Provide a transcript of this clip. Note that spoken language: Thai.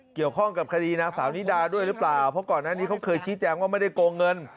เกี่ยวข้องกับคดีนางสาวนิดาด้วยหรือเปล่าเพราะก่อนหน้านี้เขาเคยชี้แจงว่าไม่ได้โกงเงิน